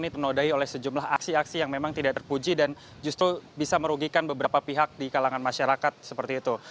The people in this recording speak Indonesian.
ini penodai oleh sejumlah aksi aksi yang memang tidak terpuji dan justru bisa merugikan beberapa pihak di kalangan masyarakat seperti itu